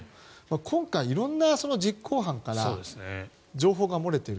今回、色んな実行犯から情報が漏れている。